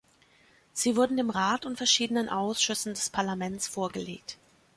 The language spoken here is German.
Sie wurden dem Rat und verschiedenen Ausschüssen des Parlaments vorgelegt.